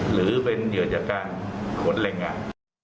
หรือเป็นเหยื่อจากการขนแรงงาน